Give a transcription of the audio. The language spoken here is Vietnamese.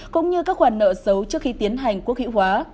cũng như các khoản nợ xấu trước khi tiến hành quốc hữu hóa